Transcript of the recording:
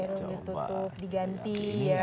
jarumnya tutup diganti ya